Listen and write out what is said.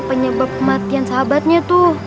penyebab kematian sahabatnya tuh